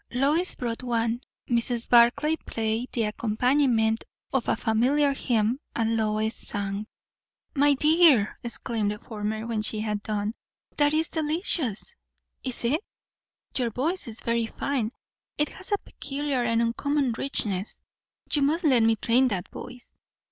Lois brought one. Mrs. Barclay played the accompaniment of a familiar hymn, and Lois sang. "My dear," exclaimed the former when she had done, "that is delicious!" "Is it?" "Your voice is very fine; it has a peculiar and uncommon richness. You must let me train that voice."